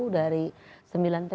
dari sembilan pedagangnya